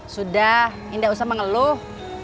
sudah ini gak usah mengeluh